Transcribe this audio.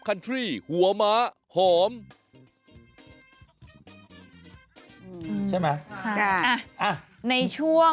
ใช่ไหมค่ะอ่ะในช่วง